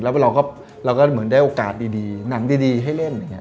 แล้วเราก็เหมือนได้โอกาสดีหนังดีให้เล่นอย่างนี้